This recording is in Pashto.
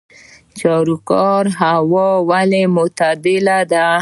چاریکار هوا ولې معتدله ده؟